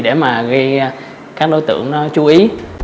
để mà gây các đối tượng chú ý